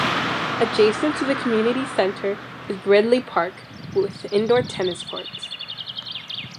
Adjacent to the community center is Bready Park, with indoor tennis courts.